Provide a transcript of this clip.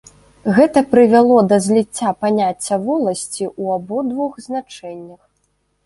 Гэта прывяло да зліцця паняцця воласці ў абодвух значэннях.